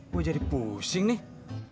gua jadi pusing nih